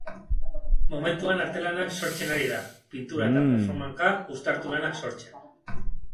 Momentuan artelanak sortzen ari da, pintura eta performanca uztartu lanak sortzen.